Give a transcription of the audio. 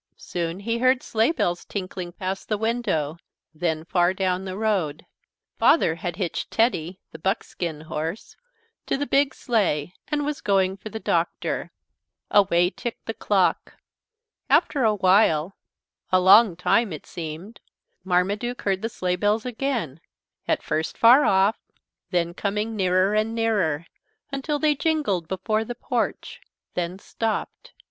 Soon he heard sleigh bells tinkling past the window, then far down the road. Father had hitched Teddy, the buckskin horse, to the big sleigh and was going for the Doctor. Away ticked the clock. After a while a long time it seemed Marmaduke heard the sleigh bells again, at first far off, then coming nearer and nearer, until they jingled before the porch then stopped.